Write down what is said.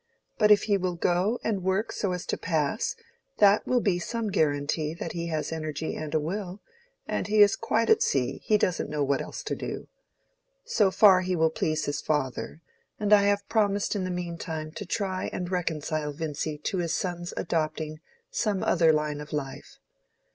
But if he will go and work so as to pass, that will be some guarantee that he has energy and a will; and he is quite at sea; he doesn't know what else to do. So far he will please his father, and I have promised in the mean time to try and reconcile Vincy to his son's adopting some other line of life.